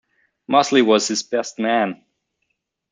Mosley was his best man.